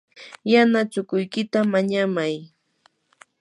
yana chukuykita mañamay.